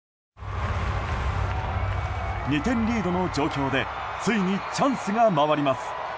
２点リードの状況でついにチャンスが回ります。